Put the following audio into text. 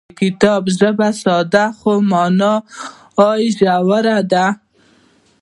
د کتاب ژبه ساده خو مانا یې ژوره ده.